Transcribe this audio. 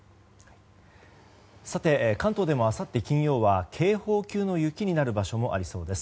さて、関東でもあさって金曜は警報級の雪になる場所もありそうです。